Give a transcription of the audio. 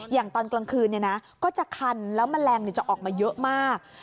อย่างตอนกลางคืนเนี่ยนะก็จะคันแล้วมันแรงเนี่ยจะออกมาเยอะมาก